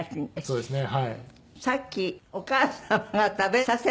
そうですね。